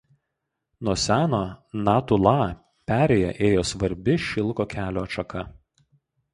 Nuo seno Nathu La perėja ėjo svarbi šilko kelio atšaka.